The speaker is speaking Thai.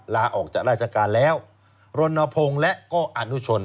ลาออกจากราชการแล้วรณพงศ์และก็อนุชน